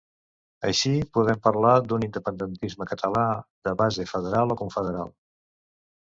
Així, podem parlar d'un independentisme català de base federal o confederal.